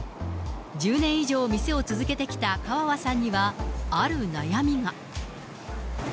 １０年以上店を続けてきた川和さんには、ある悩みが。